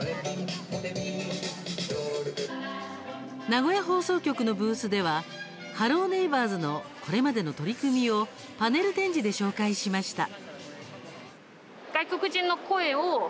名古屋放送局のブースでは「ハロー！ネイバーズ」のこれまでの取り組みをパネル展示で紹介しました。